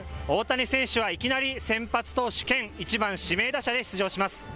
大谷選手はいきなり先発投手兼１番・指名打者で出場します。